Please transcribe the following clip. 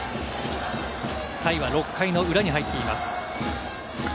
回は６回の裏に入っています。